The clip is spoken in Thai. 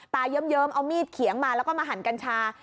เยิ้มเอามีดเขียงมาแล้วก็มาหั่นกัญชา